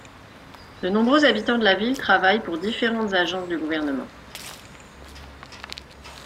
De nombreux habitants de la ville travaillent pour différentes agences du gouvernement.